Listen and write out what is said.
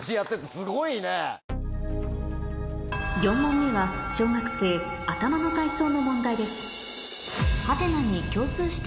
４問目は小学生頭の体操の問題です